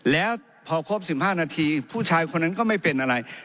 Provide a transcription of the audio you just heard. แล้วพอครบ๑๕นาทีผู้ชายคนนั้นก็ไม่เป็นอะไร